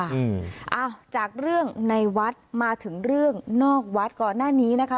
อืมอ้าวจากเรื่องในวัดมาถึงเรื่องนอกวัดก่อนหน้านี้นะคะ